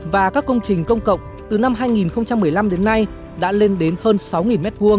và các công trình công cộng từ năm hai nghìn một mươi năm đến nay đã lên đến hơn sáu m hai